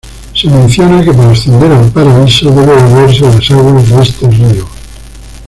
Se menciona que para ascender al paraíso debe beberse las aguas de este río.